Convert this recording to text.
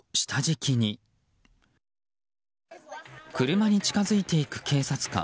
車に近づいていく警察官。